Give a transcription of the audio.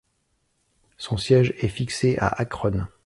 Son siège est fixé à Akron.